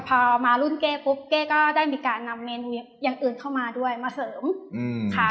พอมารุ่นเก้ปุ๊บเก้ก็ได้มีการนำเมนูอย่างอื่นเข้ามาด้วยมาเสริมค่ะ